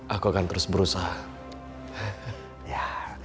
aku akan terus berusaha